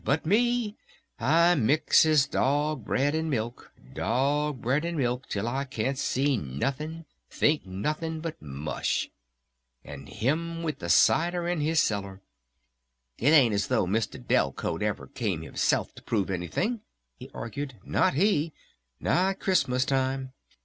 But me I mixes dog bread and milk dog bread and milk till I can't see nothing think nothing but mush. And him with cider in his cellar!... It ain't as though Mr. Delcote ever came himself to prove anything," he argued. "Not he! Not Christmas Time!